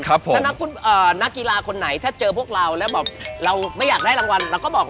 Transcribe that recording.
อยากพูดหน้ากีฬาคนไหนถ้าเจอพวกเราจะบอกเราไม่อยากได้ลังวัน